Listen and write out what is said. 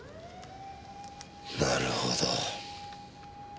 なるほど。